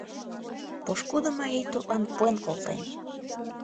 Пошкудо марий тудлан пуэн колтен.